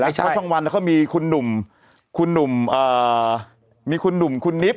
เพราะช่องวันเขามีคุณหนุ่มคุณหนุ่มมีคุณหนุ่มคุณนิบ